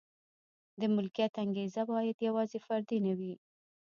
د ملکیت انګېزه باید یوازې فردي نه وي.